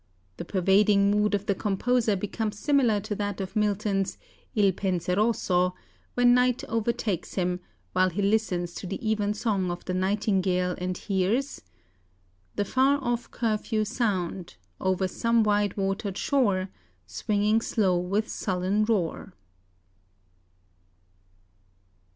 The pervading mood of the composer becomes similar to that of Milton's 'Il Penseroso' when night overtakes him, while he listens to the even song of the nightingale and hears "... the far off curfew sound, Over some wide watered shore, Swinging slow with sullen roar."